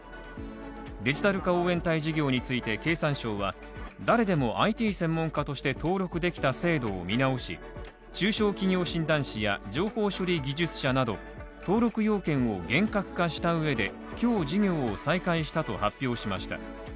デジタル化応援隊事業について経産省は誰でもＩＴ専門家として登録できた制度を見直し、中小企業診断士や情報処理技術者など、登録要件を厳格化した上で、今日事業を再開したと発表しました。